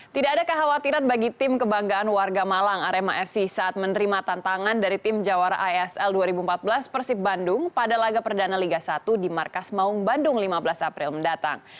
tidak ada kekhawatiran bagi tim kebanggaan warga malang arema fc saat menerima tantangan dari tim jawara isl dua ribu empat belas persib bandung pada laga perdana liga satu di markas maung bandung lima belas april mendatang